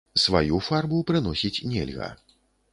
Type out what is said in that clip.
Сваю фарбу прыносіць нельга.